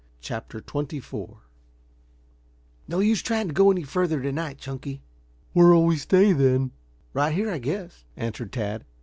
CHAPTER XXIV CONCLUSION "No use trying to go any further to night, Chunky." "Where'll we stay, then?" "Right here, I guess," answered Tad.